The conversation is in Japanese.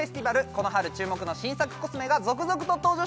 この春注目の新作コスメが続々と登場します